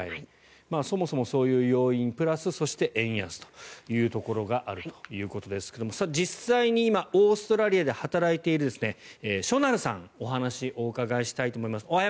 そもそもそういう要因プラスそして円安というところがあるということですが実際に今、オーストラリアで働いているしょなるさんにお話をお伺いしたいと思います。